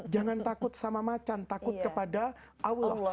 jangan takut sama macan takut kepada allah